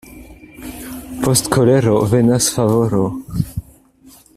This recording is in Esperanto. Post kolero venas favoro.